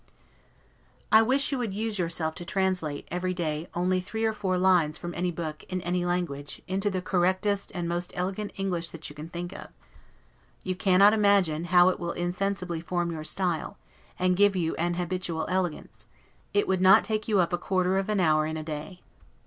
I wish you would use yourself to translate, every day, only three or four lines, from any book, in any language, into the correctest and most elegant English that you can think of; you cannot imagine how it will insensibly form your style, and give you an habitual elegance; it would not take you up a quarter of an hour in a day.